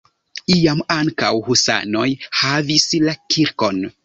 Iam ankaŭ husanoj havis la kirkon.